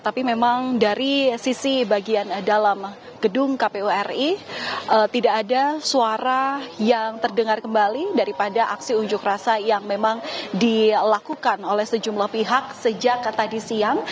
tapi memang dari sisi bagian dalam gedung kpu ri tidak ada suara yang terdengar kembali daripada aksi unjuk rasa yang memang dilakukan oleh sejumlah pihak sejak tadi siang